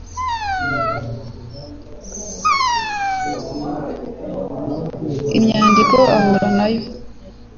Imyandiko ahura na yo,